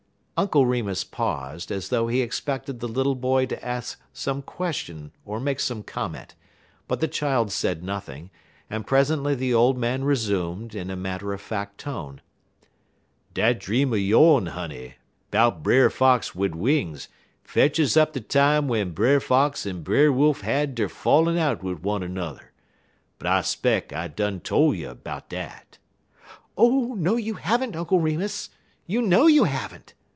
Uncle Remus paused, as though he expected the little boy to ask some question or make some comment, but the child said nothing, and presently the old man resumed, in a matter of fact tone: "Dat dream er yone, honey, 'bout Brer Fox wid wings, fetches up de time w'en Brer Fox en Brer Wolf had der fallin' out wid one er n'er but I 'speck I done tole you 'bout dat." "Oh, no, you have n't, Uncle Remus! You know you have n't!"